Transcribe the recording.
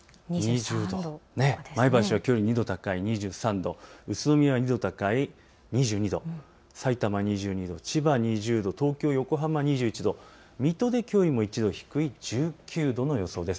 前橋はきょうより２度高い２３度、宇都宮は２度高い２２度、さいたま２２度、千葉２０度、東京、横浜２１度、水戸できょうよりも１度低い１９度の予想です。